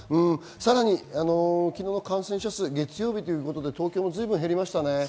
さらに昨日の感染者数、月曜日ということで東京も随分減りましたね。